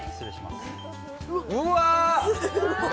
うわ！